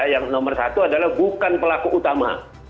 yang nomor satu adalah bukan pelaku utama